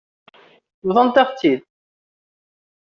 Bḍant-aɣ-tt-id.